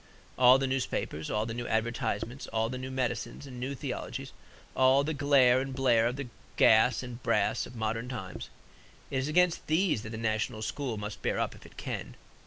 All the newspapers, all the new advertisements, all the new medicines and new theologies, all the glare and blare of the gas and brass of modern times it is against these that the national school must bear up if it can.